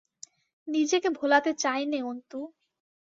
নিজেকে ভোলাতে চাই নে, অন্তু।